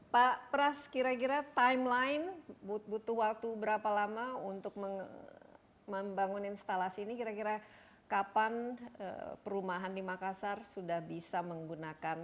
pak pras kira kira timeline butuh waktu berapa lama untuk membangun instalasi ini kira kira kapan perumahan di makassar sudah bisa menggunakan